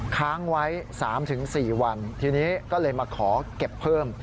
ค้างไว้๓๔วันทีนี้ก็เลยมาขอเก็บเพิ่ม